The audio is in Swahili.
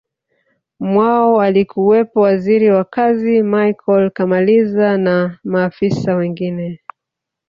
mwao alikuwepo Waziri wa kazi Michael kamaliza na maafisa wengine